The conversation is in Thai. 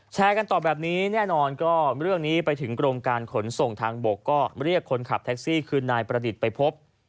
แชร์กันต่อแบบนี้แน่นอนก็เรื่องนี้ไปถึงกรมการขนส่งทางบกก็เรียกคนขับแท็กซี่คือนายประดิษฐ์ไปพบ